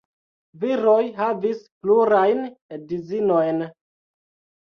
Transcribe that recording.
Viroj havis plurajn edzinojn.